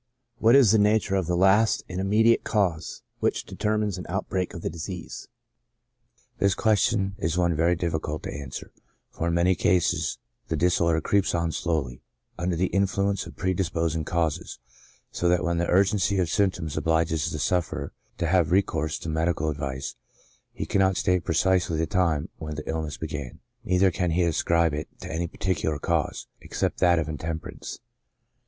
What is the nature of the last and im mediate cause which determines an outbreak of the disease ? This question is one very difficult to answer, for in many cases the disorder creeps on slowly, under the influence of predisposing causes, so that when the urgency of symptoms obliges the sufferer to have recourse to medical advice, he cannot state precisely the time when the illness began, neither can he ascribe it to any particular cause, except that of intemperance.